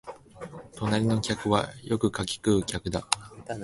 隣の客はよくかき食う客だ